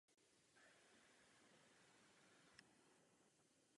Ovlivněn byl italskou renesancí.